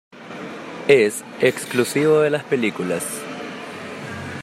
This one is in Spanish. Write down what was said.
Es exclusivo de las películas.